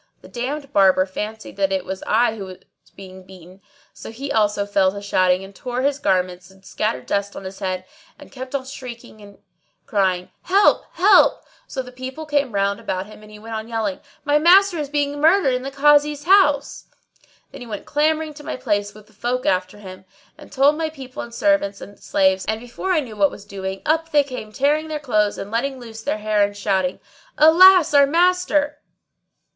The damned Barber fancied that it was I who was being beaten; so he also fell to shouting and tore his garments and scattered dust on his head and kept on shrieking and crying "Help ! Help !" So the people came round about him and he went on yelling, "My master is being murdered in the Kazi's house!" Then he ran clamouring to my place with the folk after him, and told my people and servants and slaves; and, before I knew what was doing, up they came tearing their clothes and letting loose their hair[FN#629] and shouting, "Alas, our master!"